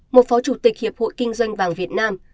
một phó chủ tịch hiệp hội kinh doanh vàng việt nam